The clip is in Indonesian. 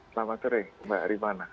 selamat sore mbak hari mana